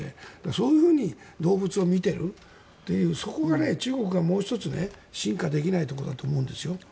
そういうふうに動物を見ているというそこが中国がもう１つ進化できないところだと思うんですよ。